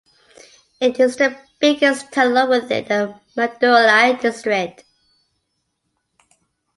It is the biggest taluk within the Madurai District.